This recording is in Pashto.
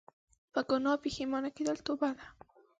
په ګناه پښیمانه کيدل توبه ده